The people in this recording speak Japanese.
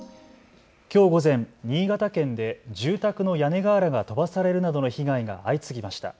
きょう午前、新潟県で住宅の屋根瓦が飛ばされるなどの被害が相次ぎました。